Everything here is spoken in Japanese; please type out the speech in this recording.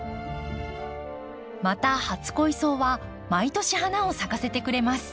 また初恋草は毎年花を咲かせてくれます。